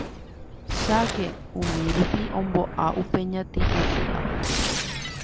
Cháke umírupi ombo'a upe ñati'ũ ky'a